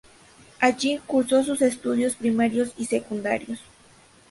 Allí cursó sus estudios primarios y secundarios.